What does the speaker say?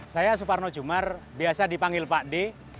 saya suparno jumar biasa dipanggil pak d